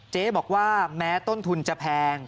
เจ๊บอกว่าแม้ต้นทุนจะแพง